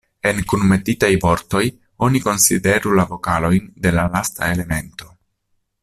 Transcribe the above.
En kunmetitaj vortoj, oni konsideru la vokalojn de la lasta elemento.